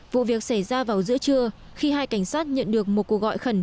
vụ việc xảy ra vào giữa trưa khi hai cảnh sát nhận được một cuộc gọi khẩn